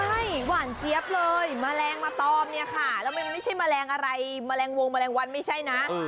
ใช่หวานเจี๊ยบเลยแมลงมาตอมเนี่ยค่ะแล้วมันไม่ใช่แมลงอะไรแมลงวงแมลงวันไม่ใช่นะ